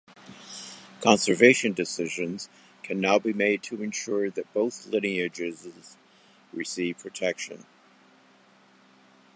Conservation decisions can now be made to ensure that both lineages received protection.